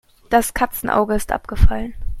Das Katzenauge ist abgefallen.